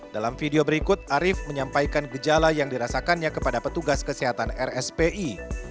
dalam video berikut arief menyampaikan gejala yang dirasakannya kepada petugas kesehatan rspi